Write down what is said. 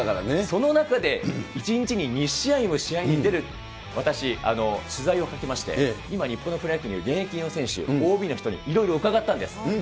その中で、１日に２試合も試合に出る、私、取材をかけまして、今、日本のプロ野球にいるＯＢの人にいろいろ伺ったんです。